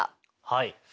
はい。